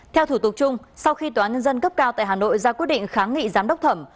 theo thủ tục chung sau khi tòa nhân dân cấp cao tại hà nội ra quyết định kháng nghị giám đốc thẩm